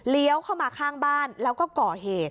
เลี้ยวเข้ามาข้างบ้านแล้วก็เกาะเห